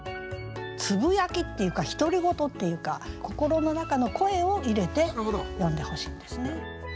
つぶやきっていうか独り言っていうか心の中の声を入れて詠んでほしいんですね。